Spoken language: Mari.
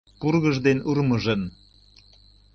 Пургыж ден урмыжын